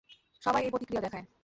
সবাই এই প্রতিক্রিয়া দেখায়।